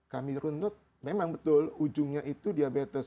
kami runtut memang betul ujungnya itu diabetes